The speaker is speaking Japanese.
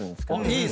いい！